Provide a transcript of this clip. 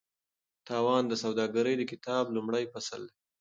تاوان د سوداګرۍ د کتاب لومړی فصل دی.